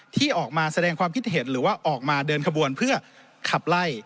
ที่ออกมาแสดงความคิดเห็นหรือว่าออกมาเดินขบวนเพื่อขับไล่